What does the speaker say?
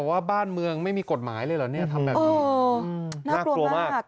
ว่าบ้านเมืองไม่มีกฎหมายเลยเหรอน่ากลัวมาก